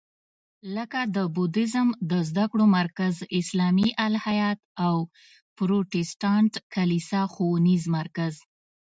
لکه د بودیزم د زده کړو مرکز، اسلامي الهیات او پروتستانت کلیسا ښوونیز مرکز.